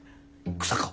日下！